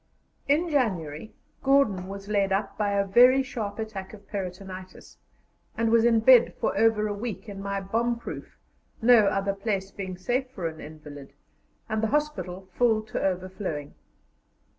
In January, Gordon was laid up by a very sharp attack of peritonitis, and was in bed for over a week in my bomb proof, no other place being safe for an invalid, and the hospital full to overflowing.